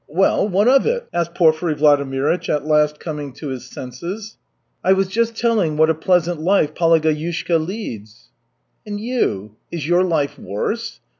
"Well, what of it?" asked Porfiry Vladimirych, at last coming to his senses. "I was just telling what a pleasant life Palageyushka leads." "And you, is your life worse?